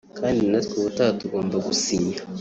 Kandi natwe ubutaha tugomba gusinya